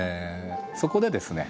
そこでですね